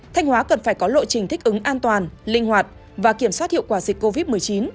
thanh hóa cần phải có lộ trình thích ứng an toàn linh hoạt và kiểm soát hiệu quả dịch covid một mươi chín